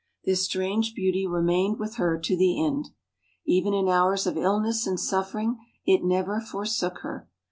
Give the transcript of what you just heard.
This strange beauty remained with her to the end. Even in hours of illness and suffering it never forsook her.